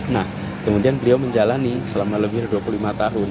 nah kemudian beliau menjalani selama lebih dari dua puluh lima tahun